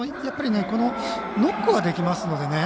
ノックはできますので。